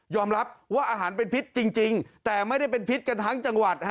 รับว่าอาหารเป็นพิษจริงแต่ไม่ได้เป็นพิษกันทั้งจังหวัด